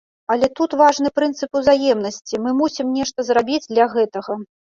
Але тут важны прынцып узаемнасці, мы мусім нешта забіць для гэтага.